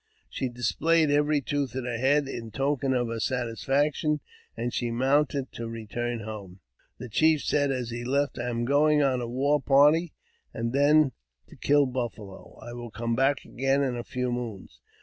She displayed every tooth in her head in token of her satis faction, and she mounted to return home. The chief said as he left, " I am going on a war party, and then to kill buffalo. I will come back again in a few moons.